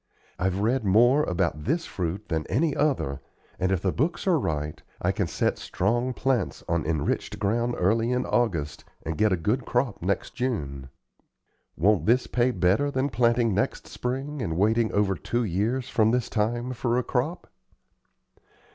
I've read more about this fruit than any other, and, if the books are right, I can set strong plants on enriched ground early in August and get a good crop next June. Won't this pay better than planting next spring and waiting over two years from this time for a crop?"